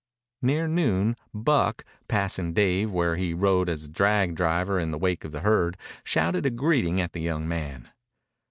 Near noon Buck, passing Dave where he rode as drag driver in the wake of the herd, shouted a greeting at the young man.